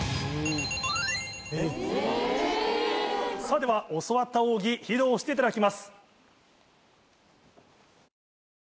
では教わった奥義披露していただきます。